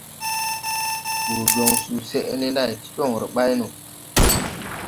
Wùr jɔŋ susɛʼ ne nday ti jɔŋre ɓay no.